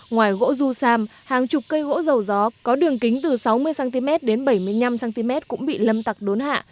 ngoài gỗ du sam hàng chục cây gỗ dầu gió có đường kính từ sáu mươi cm đến bảy mươi năm cm cũng bị lâm tặc đốn hạ